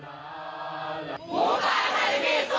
หมู่ป่าอคาเดมี่สู้สู้